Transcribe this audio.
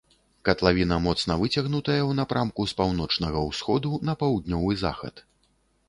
Катлавіна моцна выцягнутая ў напрамку з паўночнага ўсходу на паўднёвы захад.